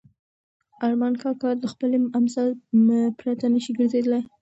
ارمان کاکا له خپلې امسا پرته نه شي ګرځېدلی.